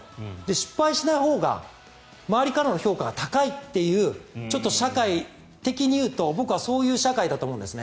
失敗しないほうが周りからの評価が高いというちょっと社会的にいうと、僕はそういう社会だと思うんですね。